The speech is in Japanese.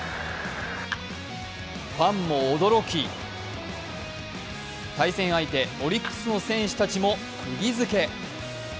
ファンも驚き対戦相手、オリックスの選手たちもくぎづけ。